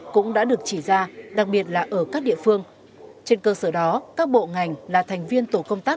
cũng đã được chỉ ra đặc biệt là ở các địa phương trên cơ sở đó các bộ ngành là thành viên tổ công tác